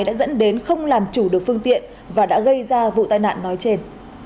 đã dẫn đến không làm chủ được phương tiện và đã gây ra vụ tai nạn nói trên